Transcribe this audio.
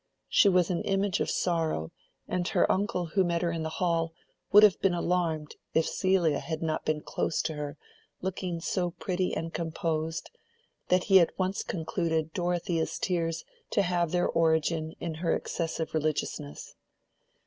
She was an image of sorrow, and her uncle who met her in the hall would have been alarmed, if Celia had not been close to her looking so pretty and composed, that he at once concluded Dorothea's tears to have their origin in her excessive religiousness.